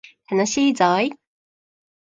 楽しいぞい